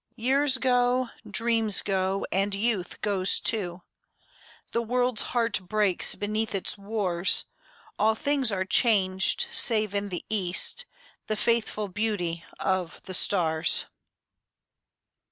Years go, dreams go, and youth goes too, The world's heart breaks beneath its wars, All things are changed, save in the east The faithful beauty of the stars.